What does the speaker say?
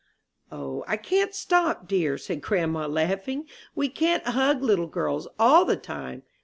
"O, I can't stop, dear," said grandma, laughing; "we can't hug little girls all the time."